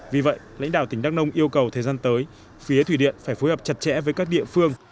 vì vậy lãnh đạo tỉnh đắk nông yêu cầu thời gian tới phía thủy điện phải phối hợp chặt chẽ với các địa phương